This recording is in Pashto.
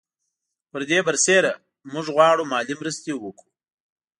پر دې برسېره موږ غواړو مالي مرستې وکړو.